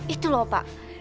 itu lho pak